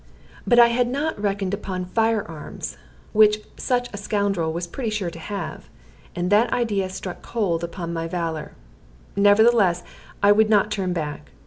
But I had not reckoned upon fire arms, which such a scoundrel was pretty sure to have; and that idea struck cold upon my valor. Nevertheless, I would not turn back.